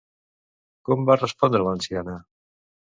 Com va respondre l'anciana?